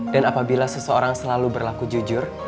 dan apabila seseorang selalu berlaku jujur